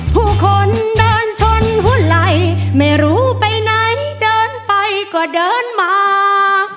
ผู้คนเดินชนหุ้นไหล่ไม่รู้ไปไหนเดินไปก็เดินมา